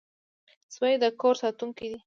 سپي د کور ساتونکي دي.